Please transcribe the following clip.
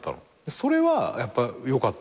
それはやっぱよかったと思う。